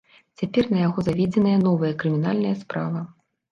Цяпер на яго заведзеная новая крымінальная справа.